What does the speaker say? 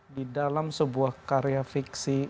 di dalam sebuah karya fiksi